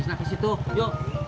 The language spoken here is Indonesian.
di sana ke situ yuk